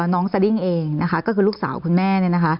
น้องซาดิ้งเองก็คือลูกสาวคุณแม่